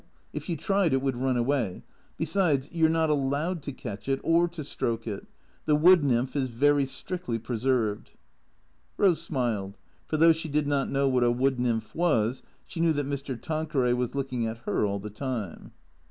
If you tried it would run away. Besides, you 're not allowed to catch it, or to stroke it. The wood nymph is very strictly preserved." , Rose smiled ; for though she did not know what a wood nymph was, she knew that Mr. Tanqueray was looking at her all the time.